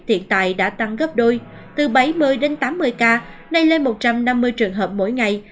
hiện tại đã tăng gấp đôi từ bảy mươi đến tám mươi ca nay lên một trăm năm mươi trường hợp mỗi ngày